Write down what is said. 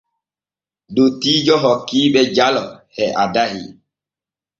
Dottiijo hokkiiɓe jalo e addahi.